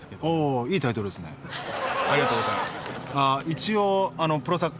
ありがとうございます。